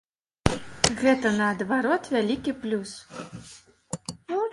Гэта, наадварот, вялікі плюс.